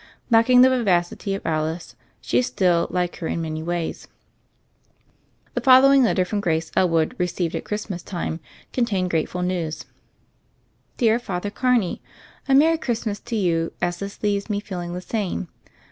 Lacking the vivacity of Alice, she is still like her in many ways. The following letter from Grace Elwood, re ceived at Christmas time, contained grateful news : "Dear Father Carney : A Merry Christ mas to you as this leaves me feeling the same.